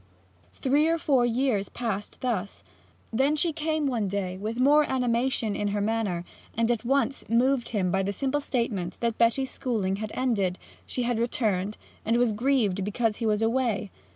Three or four years passed thus. Then she came one day, with more animation in her manner, and at once moved him by the simple statement that Betty's schooling had ended; she had returned, and was grieved because he was away.